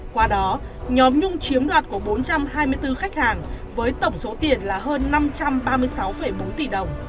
qua đó nhóm nhung chiếm đoạt của bốn trăm hai mươi bốn khách hàng với tổng số tiền là hơn năm trăm ba mươi sáu bốn tỷ đồng